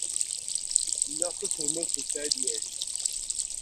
Lliɣ d taselmadt n Saɛid Waɛli.